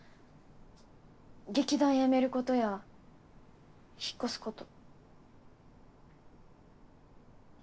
劇団やめることや引っ越すこと。